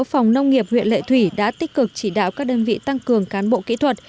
phòng nông nghiệp huyện lệ thủy đã tích cực chỉ đạo các đơn vị tăng cường cán bộ kỹ thuật